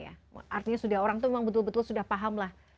artinya orang itu memang betul betul sudah paham lah